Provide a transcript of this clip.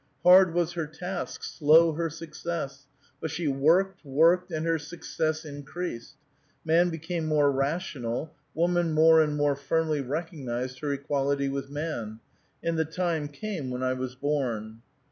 Hard was her task, slow her success, but she worked, worked, and her success increased. Man became more rational, woman more and more firmly recognized her equality with man, and the time came when I was born.